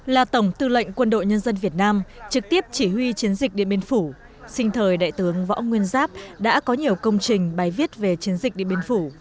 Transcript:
là tổng tư lệnh quân đội nhân dân việt nam trực tiếp chỉ huy chiến dịch điện biên phủ sinh thời đại tướng võ nguyên giáp đã có nhiều công trình bài viết về chiến dịch điện biên phủ